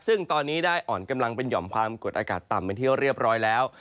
ซึ่งตอนนี้ได้อ่อนกำลังเป็นหย่อมความกดอากาศต่ำเป็นที่เรียบร้อยแล้ว